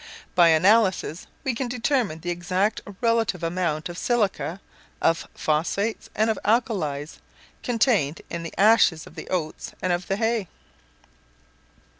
By analysis we can determine the exact relative amount of silica, of phosphates, and of alkalies, contained in the ashes of the oats and of the hay.